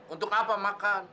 untuk apa makan